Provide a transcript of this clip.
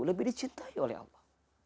lebih dicintai oleh allah